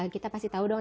kita pasti tahu dong